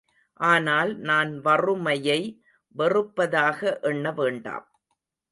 ஆனால் நான் வறுமையை வெறுப்பதாக எண்ண வேண்டாம்.